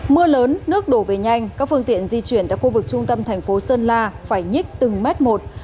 mưa lớn nước đổ về nhanh các phương tiện di chuyển tại khu vực trung tâm thành phố sơn la phải nhích từng mét một